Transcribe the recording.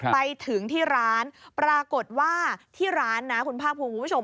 ไปถึงที่ร้านปรากฏว่าที่ร้านนะคุณภาคภูมิคุณผู้ชม